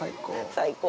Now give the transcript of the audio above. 最高。